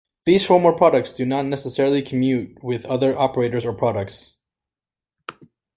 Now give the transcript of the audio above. These formal products do not necessarily commute with other operators or products.